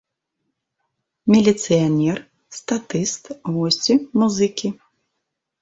Міліцыянер, статыст, госці, музыкі.